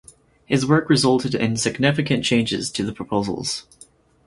His work resulted in significant changes to the proposals.